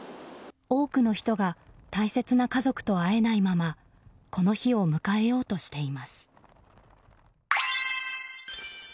多くの人が大切な家族と会えないままこの日を迎えようとしています。